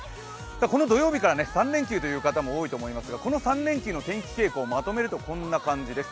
この土曜日から３連休の方も多いと思いますがこの３連休の天気傾向まとめるとこんな感じです。